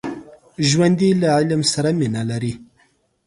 ژوندي له علم سره مینه لري